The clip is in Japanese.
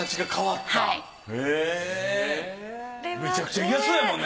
めちゃくちゃ嫌そうやもんね